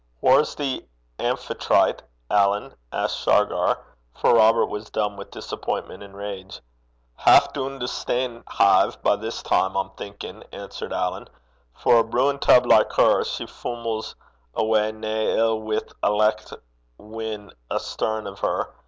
'Whaur's the Amphitrite, Alan?' asked Shargar, for Robert was dumb with disappointment and rage. 'Half doon to Stanehive by this time, I'm thinkin',' answered Alan. 'For a brewin' tub like her, she fummles awa nae ill wi' a licht win' astarn o' her.